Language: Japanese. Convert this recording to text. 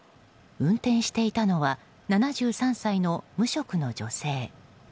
運転していたのは７３歳の無職の女性。